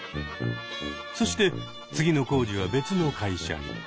そして次の工事は別の会社に。